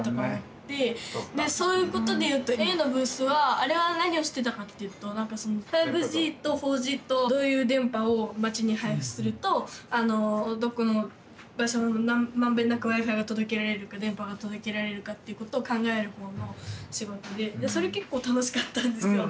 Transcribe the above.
そういうことで言うとａｕのブースはあれは何をしてたかって言うと５Ｇと４Ｇとどういう電波を街に配布するとどこの場所も満遍なくＷｉ−Ｆｉが届けられるか電波が届けられるかってことを考えるほうの仕事でそれ結構楽しかったんですよ。